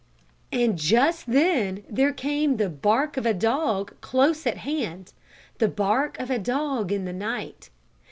And just then there came the bark of a dog close at hand the bark of a dog in the night.